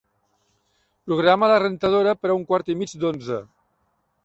Programa la rentadora per a un quart i mig d'onze.